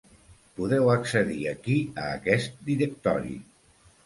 Podeu accedir aquí a aquest directori.